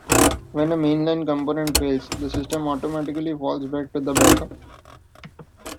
When a mainline component fails, the system automatically falls back to the backup.